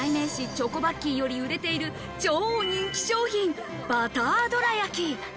チョコバッキーより売れている超人気商品バターどらやき。